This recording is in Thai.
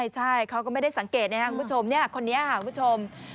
ใช่เขาก็ไม่ได้สังเกตนะครับคุณผู้ชมคนนี้ค่ะคุณผู้ชม